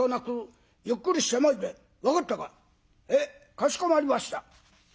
かしこまりました」。